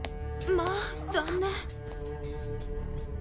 まあ残念。